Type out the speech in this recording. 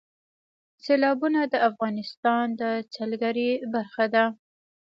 سیلابونه د افغانستان د سیلګرۍ برخه ده.